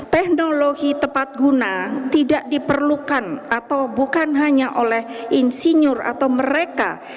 teknologi tepat guna tidak diperlukan atau bukan hanya oleh insinyur atau mereka